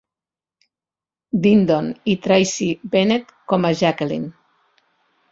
Dindon i Tracie Bennett com a Jacqueline.